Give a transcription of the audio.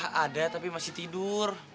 ya ada tapi masih tidur